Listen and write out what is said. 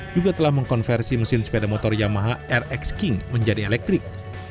juga telah mengkonversi mesin sepeda motor yamaha rx king menjadi elektrik